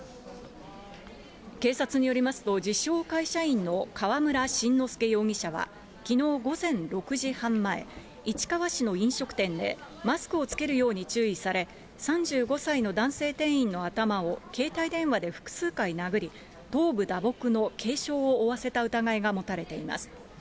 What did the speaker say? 警察によりますと、自称会社員の河村眞之助容疑者は、きのう午前６時半前、市川市の飲食店でマスクを着けるように注意され、３５歳の男性店員の頭を携帯電話で複数回殴り、頭部打撲の軽傷を負わせた疑いが持たれています。